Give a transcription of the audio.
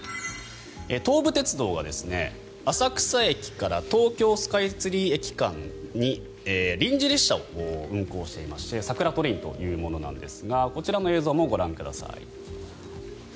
東武鉄道は浅草駅からとうきょうスカイツリー駅間に臨時列車を運行していましてサクラトレインというものですがこちらの映像もご覧ください。